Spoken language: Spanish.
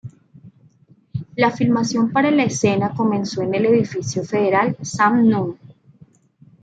La filmación para la escena comenzó en el Edificio Federal Sam Nunn.